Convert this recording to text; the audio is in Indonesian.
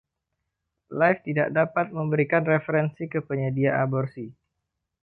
Life tidak dapat memberikan referensi ke penyedia aborsi.